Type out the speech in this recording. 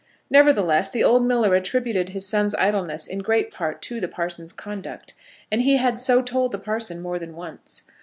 Nevertheless the old miller attributed his son's idleness in great part to the parson's conduct, and he had so told the parson more than once.